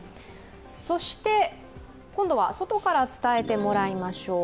そして今度は外から伝えてもらいましょう。